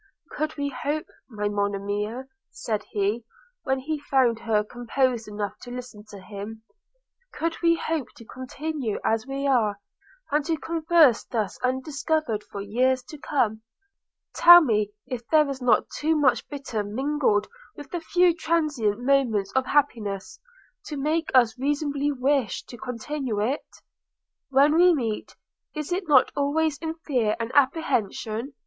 'Could we hope, my Monimia,' said he, when he found her composed enough to listen to him – 'could we hope to continue as we are, and to converse thus undiscovered for years to come, tell me if there is not too much bitter mingled with the few transient moments of happiness, to make us reasonably wish to continue it? When we meet, is it not always in fear and apprehension?